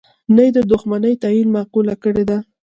نه یې د دوښمنی تعین معقوله کړې ده.